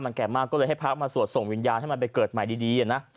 แก่มากก็เลยให้พระมาสวดส่งวิญญาณให้มันไปเกิดใหม่ดีนะ